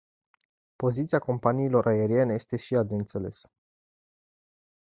Poziția companiilor aeriene este și ea de înțeles.